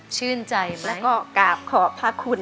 สีหน้าร้องได้หรือว่าร้องผิดครับ